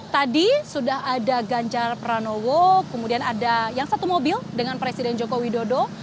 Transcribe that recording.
tadi sudah ada ganjar pranowo kemudian ada yang satu mobil dengan presiden joko widodo